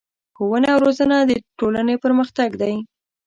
ښوونه او روزنه د ټولنې پرمختګ دی.